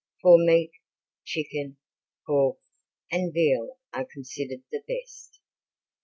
For meat, chicken, pork, and veal are considered the best.